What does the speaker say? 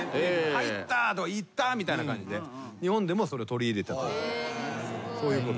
「入った」とか「いった」みたいな感じで日本でもそれを取り入れたという。